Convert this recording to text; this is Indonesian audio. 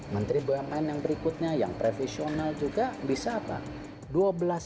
menteri bumn yang berikutnya yang profesional juga bisa apa